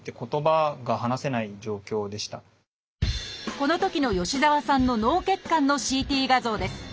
このときの吉澤さんの脳血管のＣＴ画像です。